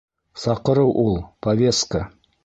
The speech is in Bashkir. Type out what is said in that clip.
— Саҡырыу ул, повестка.